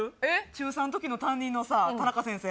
中３ん時の担任のさタナカ先生